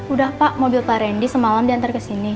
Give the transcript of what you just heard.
udah pak mobil pak randy semalam diantar kesini